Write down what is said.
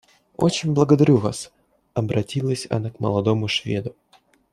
Очень благодарю вас, — обратилась она к молодому Шведу.